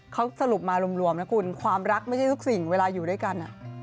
เขาสรุปมารวมนะคุณความรักไม่ใช่ทุกสิ่งเวลาอยู่ด้วยกัน